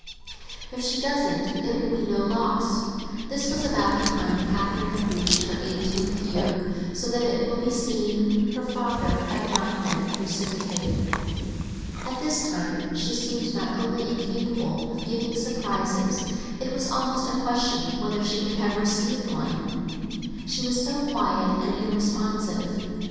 If she doesn't, it will be no loss." This was about the time Catherine had reached her eighteenth year, so that it will be seen her father had not been precipitate. At this time she seemed not only incapable of giving surprises; it was almost a question whether she could have received one—she was so quiet and irresponsive.